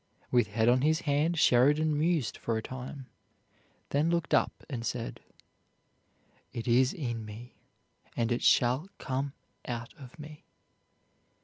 With head on his hand Sheridan mused for a time, then looked up and said, "It is in me, and it shall come out of me."